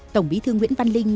tổng bí thư nguyễn văn linh